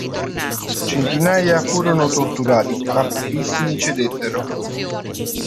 Centinaia furono torturati, ma pochissimi cedettero.